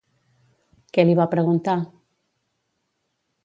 Què li va preguntar?